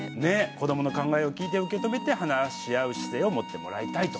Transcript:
子どもの考えを聴いて受け止めて、話し合う姿勢を持ってもらいたいと。